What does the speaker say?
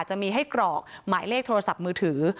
จะมีให้กรอกหมายเลขโทรศัพท์มือถือ